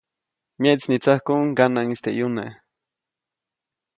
Myeʼtsnitsäkuʼuŋ ŋganaʼŋis teʼ ʼyuneʼ.